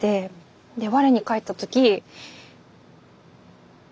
でわれに返った時。